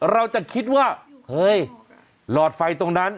เราจะคิดว่าเฮ้ยหลอดไฟตรงนั้น